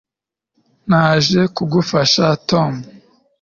Naje kugufasha Tom